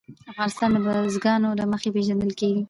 افغانستان د بزګان له مخې پېژندل کېږي.